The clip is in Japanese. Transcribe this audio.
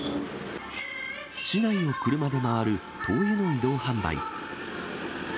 市内を車で回る灯油の移動販売。